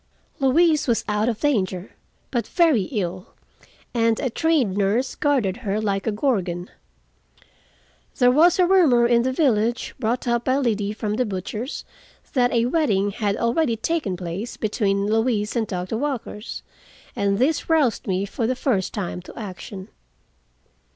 Louise was out of danger, but very ill, and a trained nurse guarded her like a gorgon. There was a rumor in the village, brought up by Liddy from the butcher's, that a wedding had already taken place between Louise and Doctor Walker and this roused me for the first time to action.